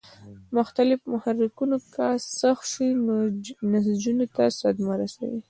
مختلف محرکونه که سخت شي نو نسجونو ته صدمه رسوي.